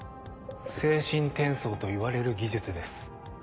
精神転送といわれる技術です。